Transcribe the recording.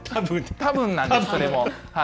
たぶんなんです、それも。